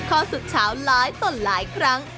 ข้อสุดเฉาหลายต่อหลายครั้ง